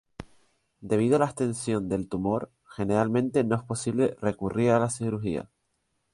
Debido a la extensión del tumor, generalmente no es posible recurrir a la cirugía.